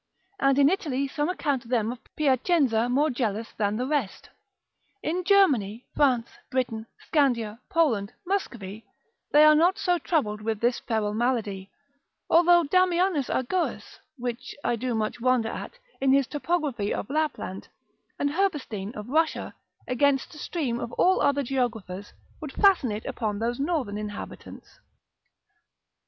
And in Italy some account them of Piacenza more jealous than the rest. In Germany, France, Britain, Scandia, Poland, Muscovy, they are not so troubled with this feral malady, although Damianus a Goes, which I do much wonder at, in his topography of Lapland, and Herbastein of Russia, against the stream of all other geographers, would fasten it upon those northern inhabitants.